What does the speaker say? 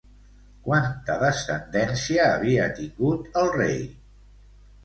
Quanta descendència havia tingut el rei?